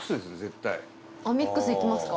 高橋：ミックスいきますか？